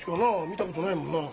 見たことないもんなあ。